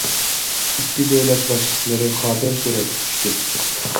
ئىككى دۆلەت باشلىقلىرى خاتىرە سۈرەتكە چۈشتى.